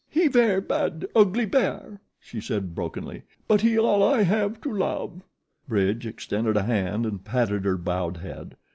"He ver' bad, ugly bear," she said brokenly; "but he all I have to love." Bridge extended a hand and patted her bowed head.